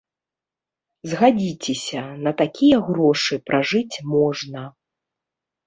Згадзіцеся, на такія грошы пражыць можна.